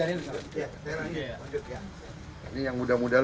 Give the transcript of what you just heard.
ini yang mudah mudalah